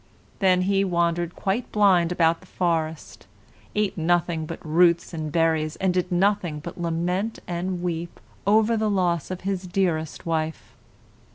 Then he wandered quite blind about the forest, ate nothing but roots and berries, and did nothing but lament and weep over the loss of his dearest wife.